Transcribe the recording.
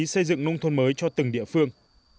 xây dựng nông thôn mới cho từng địa phương